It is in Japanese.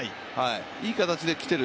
いい形できている。